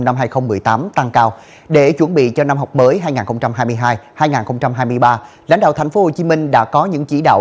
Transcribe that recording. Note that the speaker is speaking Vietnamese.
năm hai nghìn một mươi tám tăng cao để chuẩn bị cho năm học mới hai nghìn hai mươi hai hai nghìn hai mươi ba lãnh đạo tp hcm đã có những chỉ đạo